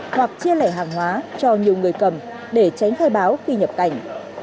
hoặc chia lẻ hàng hóa cho nhiều người cầm để tránh khai báo khi nhập cảnh